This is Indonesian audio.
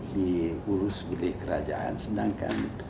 diurus oleh kerajaan sedangkan